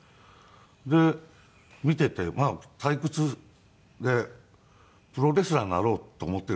で見ていて退屈でプロレスラーになろうと思っている人間